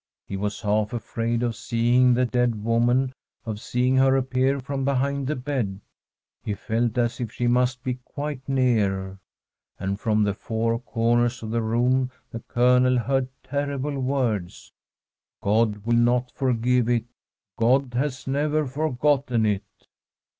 He was half afraid of seeing the dead woman, of seeing her appear from behind the bed. He felt as if she must be quite near. And from the four corners of the room the Colonel heard terrible words :* God will not forgive it ! God has never forgotten it